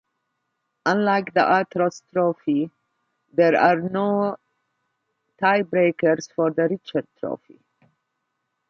Unlike the Art Ross Trophy, there are no tiebreakers for the Richard Trophy.